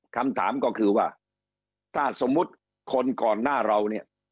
คำถามก็คือว่าถ้าสมมุติคนก่อนหน้าเราเนี่ย